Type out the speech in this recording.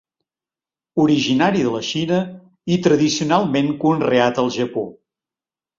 Originari de la Xina i tradicionalment conreat al Japó.